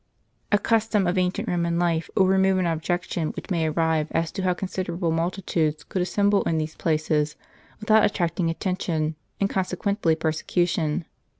A custom of ancient Eoman life will remove an objection which may arise, as to how considerable multitudes could assemble in these places without attracting attention, and consequently persecution.